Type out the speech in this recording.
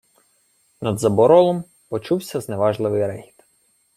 Над заборолом почувся зневажливий регіт: